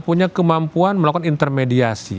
punya kemampuan melakukan intermediasi